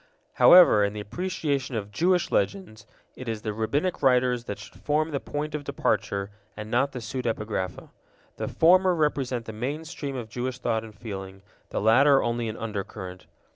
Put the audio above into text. However, in the appreciation of Jewish Legends, it is the Rabbinic writers that should form the point of departure, and not the pseudepigrapha. The former represent the main stream of Jewish thought and feeling, the latter only an undercurrent.